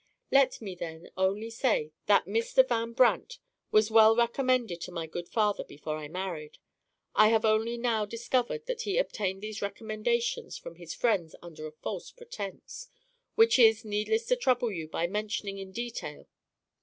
"Let me, then, only say that Mr. Van Brandt was well recommended to my good father before I married. I have only now discovered that he obtained these recommendations from his friends under a false pretense, which it is needless to trouble you by mentioning in detail.